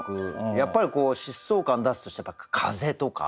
やっぱり疾走感出すとしたら「風」とか？